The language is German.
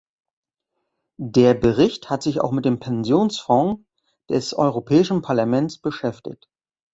Der Bericht hat sich auch mit dem Pensionsfonds des Europäischen Parlaments beschäftigt.